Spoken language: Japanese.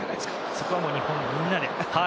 そこは日本みんなで。